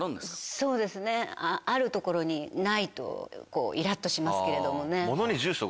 そうですねある所にないとイラっとしますけれどもね。